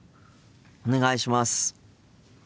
お願いします。